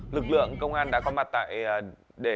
lực lượng công an đã có mặt để điều khiển